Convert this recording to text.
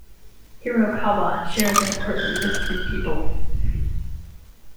Hirokawa shares an apartment with three people.